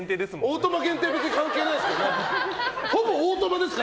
オートマ限定関係ないですけど！